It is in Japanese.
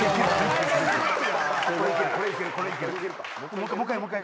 もう１回もう１回。